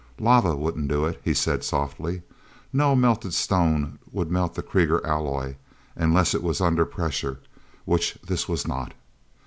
"Lava wouldn't do it!" he said softly. "No melted stone would melt the Krieger alloy, unless it was under pressure, which this was not.